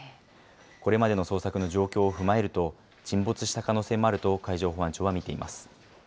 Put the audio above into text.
これまでの捜索の状況を踏まえると、沈没した可能性もあると海上保安庁は見ています。